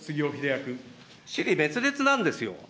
支離滅裂なんですよ。